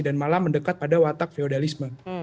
dan malah mendekat pada watak feodalisme